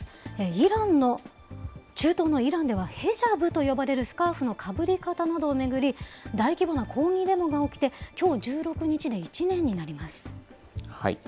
イランの、中東のイランではヘジャブと呼ばれるスカーフのかぶり方などを巡り、大規模な抗議デモが起きて、きょう１６日で１年になります。